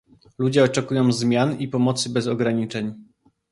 Ludzie oczekują zmian i pomocy bez ograniczeń